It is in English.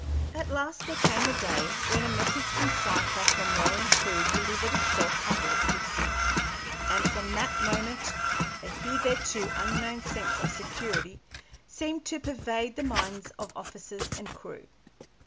At last there came a day when a message in cipher from Roland Clewe delivered itself on board the Dipsey, and from that moment a hitherto unknown sense of security seemed to pervade the minds of officers and crew.